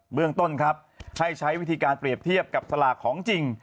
เมืองต้นครับให้ใช้วิธีการเปรียบเทียบกับสลากของจริง